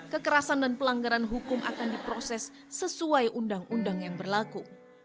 kekerasan dan pelanggaran hukum akan diproses sesuai undang undang yang berlaku